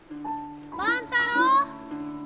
万太郎！